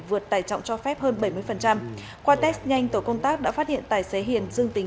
vượt tải trọng cho phép hơn bảy mươi qua test nhanh tổ công tác đã phát hiện tài xế hiền dương tính